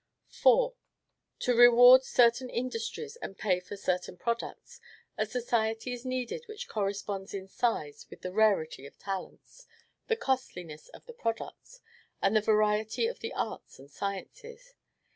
4. To reward certain industries and pay for certain products, a society is needed which corresponds in size with the rarity of talents, the costliness of the products, and the variety of the arts and sciences.